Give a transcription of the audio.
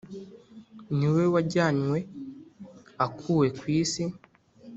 niwe wajyanywe akuwe ku isi.